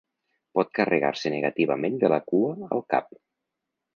Pot carregar-se negativament de la cua al cap.